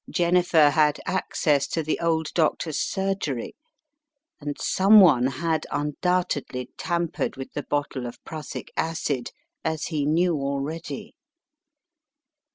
Jennifer had access to the old doctor's surgery, and someone had undoubtedly tampered with the bottle of prussic acid, as he knew already.